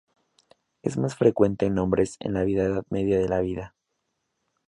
Es más frecuente en hombres en la edad media de la vida.